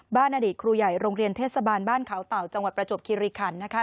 อดีตครูใหญ่โรงเรียนเทศบาลบ้านเขาเต่าจังหวัดประจวบคิริคันนะคะ